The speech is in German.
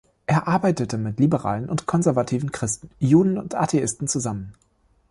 Er arbeitete mit liberalen und konservativen Christen, Juden und Atheisten zusammen.